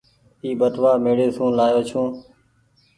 اي ٻٽوآ ميڙي سون لآيو ڇون ۔